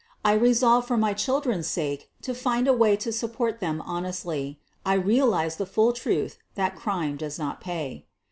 I resolved for my children's sake to find a way to support them honestly. I realized the full truth that crime does not pay.